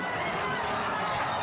persingangawi menyerang wasit